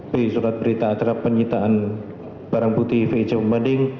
b surat berita acara penyitaan barang putih vic pembanding